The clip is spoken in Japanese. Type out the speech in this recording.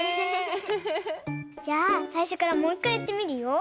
じゃあさいしょからもういっかいやってみるよ。